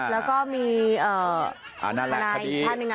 แล้วก็มีนายอีกท่านหนึ่ง